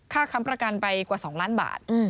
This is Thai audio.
ค้ำประกันไปกว่า๒ล้านบาท